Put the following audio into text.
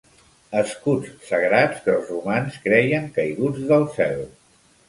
Escuts sagrats que els romans creien caiguts del cel.